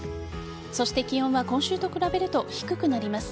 そして気温は今週と比べると低くなります。